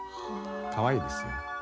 かわいいですよ。